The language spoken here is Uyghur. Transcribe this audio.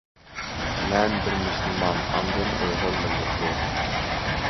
مەن بىر مۇسۇلمان ئاندىن ئۇيغۇر مىللىتى.